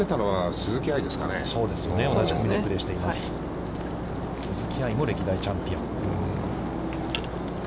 鈴木愛も歴代チャンピオン。